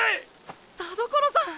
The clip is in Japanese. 田所さん！